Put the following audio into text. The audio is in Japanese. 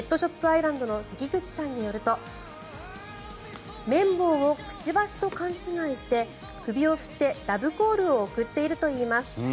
アイランドの関口さんによると綿棒をくちばしと勘違いして首を振ってラブコールを送っているといいます。